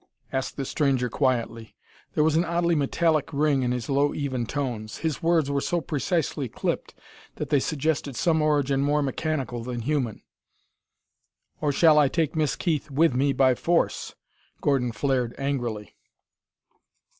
asked the stranger quietly. There was an oddly metallic ring in his low even tones. His words were so precisely clipped that they suggested some origin more mechanical than human. "Or shall I take Miss Keith with me by force?" Gordon flared angrily.